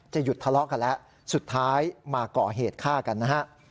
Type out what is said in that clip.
หยุดทะเลาะกันแล้วสุดท้ายมาก่อเหตุฆ่ากันนะฮะ